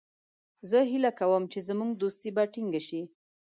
زه هیله کوم چې زموږ دوستي به ټینګه شي.